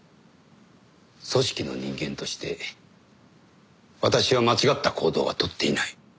組織の人間として私は間違った行動は取っていない。